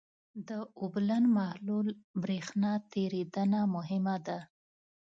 د اوبلن محلول برېښنا تیریدنه مهمه ده.